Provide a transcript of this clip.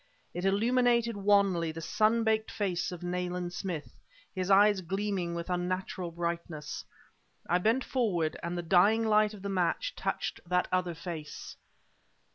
It illuminated wanly the sun baked face of Nayland Smith, his eyes gleaming with unnatural brightness. I bent forward, and the dying light of the match touched that other face.